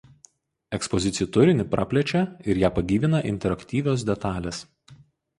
Ekspozicijų turinį praplečia ir ją pagyvina interaktyvios detalės.